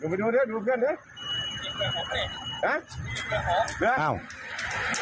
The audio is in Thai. ลองไปดูดูเพื่อนด้วย